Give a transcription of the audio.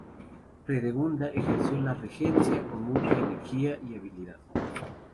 Fredegunda ejerció la regencia con mucha energía y habilidad.